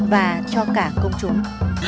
và cho cả công chúng